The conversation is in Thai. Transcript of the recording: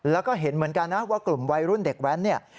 แล้วก็เห็นเหมือนกันนะว่ากลุ่มวัยรุ่นเด็กแว้นเนี่ย